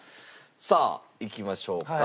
さあいきましょうか。